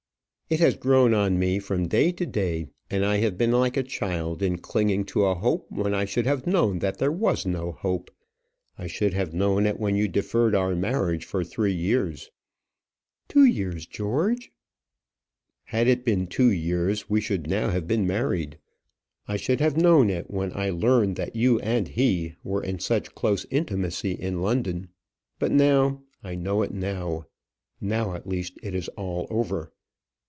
"It has grown on me from day to day; and I have been like a child in clinging to a hope when I should have known that there was no hope. I should have known it when you deferred our marriage for three years." "Two years, George." "Had it been two years, we should now have been married. I should have known it when I learned that you and he were in such close intimacy in London. But now I know it now. Now at least it is all over."